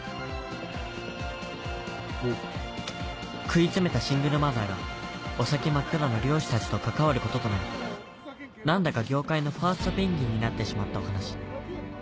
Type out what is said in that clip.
食い詰めたシングルマザーがお先真っ暗の漁師たちと関わることとなり何だか業界のファーストペンギンになってしまったお話